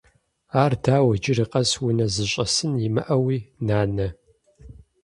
Ар дауэ, иджыри къэс унэ зыщӏэсын имыӏэуи, нанэ?